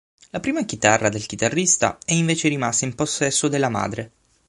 La prima chitarra del chitarrista è invece rimasta in possesso della madre.